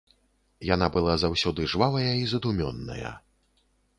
Яна была заўсёды жвавая і задумёная.